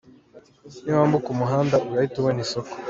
Niwambuka umuhanda urahita ubona isoko.